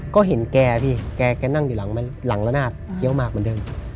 ก็เห็นแกพี่แกนั่งอยู่หลังละนาดเคี้ยวหมากเหมือนเดิม